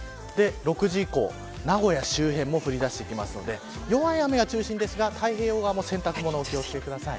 ６時以降、名古屋周辺も降り出していくので弱い雨が中心ですが、太平洋側も洗濯物にお気を付けください。